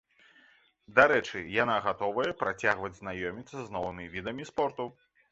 Дарэчы, яна гатовая працягваць знаёміцца з новымі відамі спорту.